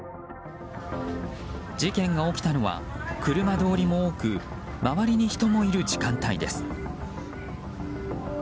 事件が起きたのは、車通りも多く周りに人もいる時間帯です。